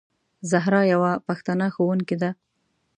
زهرا یوه پښتنه ښوونکې ده.